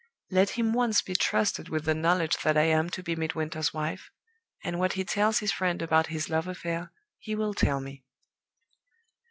Let him once be trusted with the knowledge that I am to be Midwinter's wife, and what he tells his friend about his love affair he will tell me.